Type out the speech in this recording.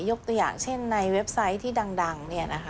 ยกตัวอย่างเช่นในเว็บไซต์ที่ดัง